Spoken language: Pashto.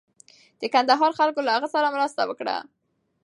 د کندهار خلکو له هغه سره مرسته وکړه.